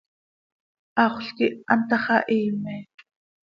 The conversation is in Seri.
Haxöl quih antá xah hiime.